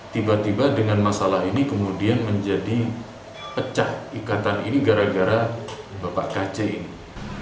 tiba tiba dengan masalah ini kemudian menjadi pecah ikatan ini gara gara bapak kc ini